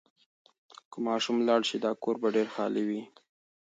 که ماشوم لاړ شي، دا کور به ډېر خالي وي.